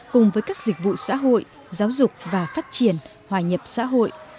cùng với các dịch vụ xã hội giáo dục và phát triển hòa nhập xã hội